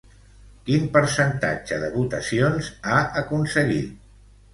Quin percentatge de votacions ha aconseguit?